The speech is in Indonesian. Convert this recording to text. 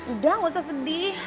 udah gak usah sedih